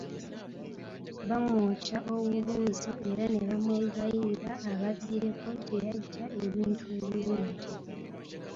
Bamwokya obubuuzo era ne bamwegayirira ababbireko gye yajja ebintu ebirungi.